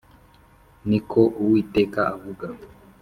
ni ko Uwiteka avuga